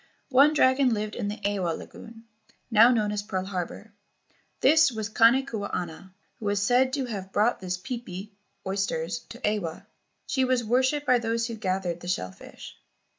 One dragon lived in the Ewa lagoon, now known as Pearl Harbor. This was Kane kua ana, who was said to have brought the pipi (oysters) to Ewa. She was worshipped by those who gathered the shell fish.